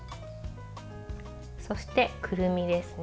そして、くるみですね。